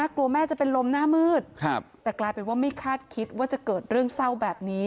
กลัวแม่จะเป็นลมหน้ามืดแต่กลายเป็นว่าไม่คาดคิดว่าจะเกิดเรื่องเศร้าแบบนี้